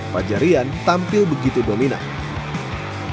fajar rian tampil begitu dominan